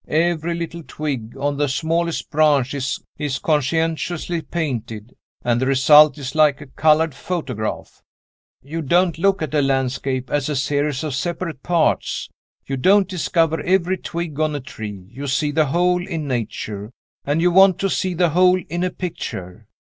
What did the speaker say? Every little twig, on the smallest branch, is conscientiously painted and the result is like a colored photograph. You don't look at a landscape as a series of separate parts; you don't discover every twig on a tree; you see the whole in Nature, and you want to see the whole in a picture.